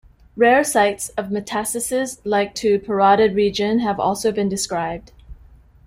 Rare sites of metastasis like to parotid region have also been described.